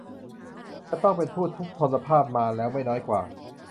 จะต้องเป็นผู้ทุพพลภาพมาแล้วไม่น้อยกว่า